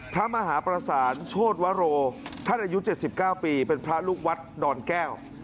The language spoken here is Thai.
พระมหาประสานโชธวโรท่านอายุ๗๙ปีเป็นพระลูกวัดดอนแก้ว